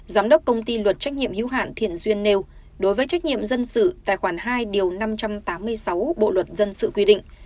giám đốc công ty luật trách nhiệm hữu hạn thiện duyên nêu đối với trách nhiệm dân sự tài khoản hai điều năm trăm tám mươi sáu bộ luật dân sự quy định